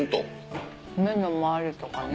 目の周りとかね。